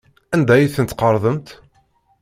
Anda ay ten-tqerḍemt?